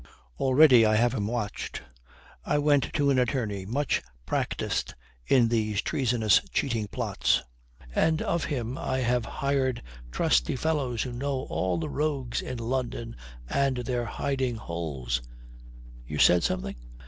Already I have him watched. I went to an attorney much practised in these treasonous cheating plots, and of him I have hired trusty fellows who know all the rogues in London and their hiding holes. You said something?"